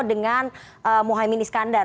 dengan muhyemini skandar